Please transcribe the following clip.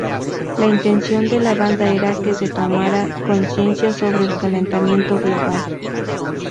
La intención de la banda era que se tomara conciencia sobre el calentamiento global.